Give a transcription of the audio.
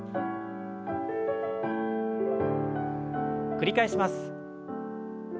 繰り返します。